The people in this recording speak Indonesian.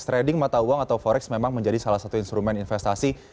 trading mata uang atau forex memang menjadi salah satu instrumen investasi